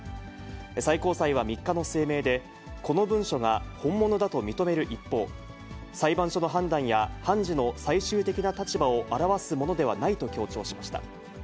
最高裁は３日の声明で、この文書が本物だと認める一方、裁判所の判断や判事の最終的な立場を表わすものではないと強調しました。